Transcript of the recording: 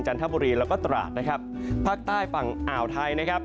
ทบุรีแล้วก็ตราดนะครับภาคใต้ฝั่งอ่าวไทยนะครับ